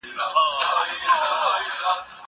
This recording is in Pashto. زه پرون بوټونه پاک کړل؟